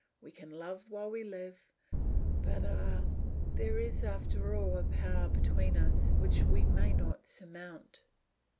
We can love while we live; but, ah, there is after all a power between us which we may not surmount."